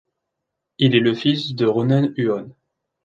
Il est le fils de Ronan Huon.